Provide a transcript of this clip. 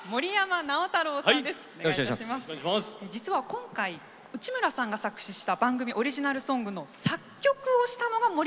実は今回内村さんが作詞した番組オリジナルソングの作曲をしたのが森山さんなんですよね。